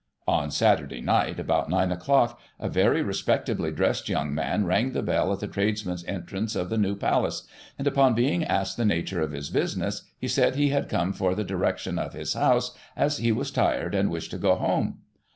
— On Saturday night, about 9 o'clock, a very respectably dressed yoimg man rang the bell at the tradesmen's entrcince of the new Palace, and, upon being asked the nature of his business, he said he had come for the direction of his house, as he was tiried, and wished to go home.